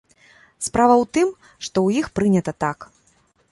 Справа ў тым, што ў іх прынята так.